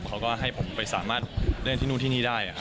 ก็ให้ผมสามารถเล่นอาทิตย์ที่นู่นได้